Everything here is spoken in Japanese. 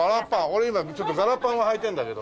俺今ちょっと柄パンははいてるんだけど。